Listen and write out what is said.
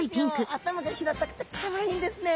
頭が平たくてかわいいんですね。